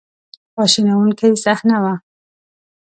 خواشینونکې صحنه وه.